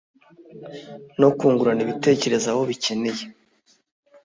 no kungurana ibitekerezo aho bikeneye